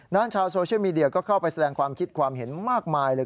ชาวโซเชียลมีเดียก็เข้าไปแสดงความคิดความเห็นมากมายเลย